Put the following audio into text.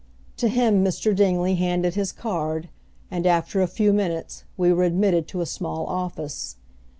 To him Mr. Dingley handed his card, and, after a few minutes, we were admitted to a small office.